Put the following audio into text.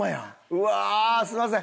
うわーすみません。